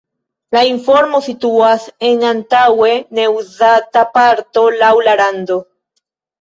La informo situas en antaŭe ne-uzata parto laŭ la rando.